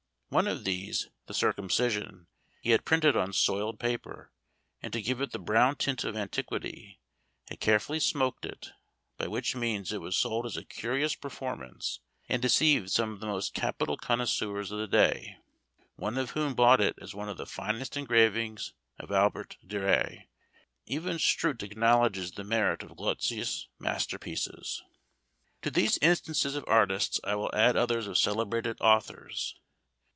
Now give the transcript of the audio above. One of these, the Circumcision, he had printed on soiled paper; and to give it the brown tint of antiquity had carefully smoked it, by which means it was sold as a curious performance, and deceived some of the most capital connoisseurs of the day, one of whom bought it as one of the finest engravings of Albert Durer: even Strutt acknowledges the merit of Goltzius's masterpieces! To these instances of artists I will add others of celebrated authors.